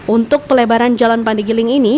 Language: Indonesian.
untuk pelebaran jalan pandigiling ini